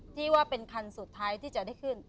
ที่ว่าเป็นคันสุดท้ายที่จะได้ขึ้น